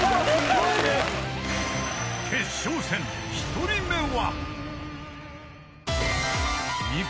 ［決勝戦１人目は］